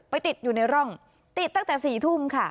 ติดอยู่ในร่องติดตั้งแต่๔ทุ่มค่ะ